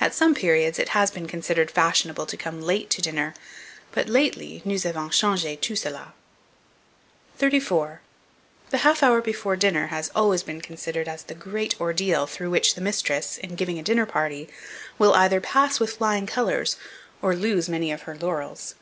At some periods it has been considered fashionable to come late to dinner, but lately nous avons changé tout cela. 34. THE HALF HOUR BEFORE DINNER has always been considered as the great ordeal through which the mistress, in giving a dinner party, will either pass with flying colours, or, lose many of her laurels.